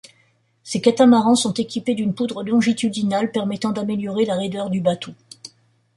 Ces catamarans sont équipés d'une poutre longitudinale permettant d'améliorer la raideur du bateau.